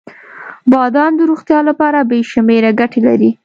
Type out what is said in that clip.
• بادام د روغتیا لپاره بې شمیره ګټې لري.